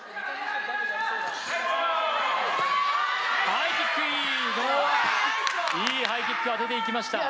いいハイキック当てていきました。